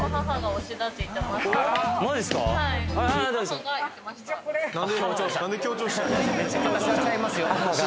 私はちゃいますよ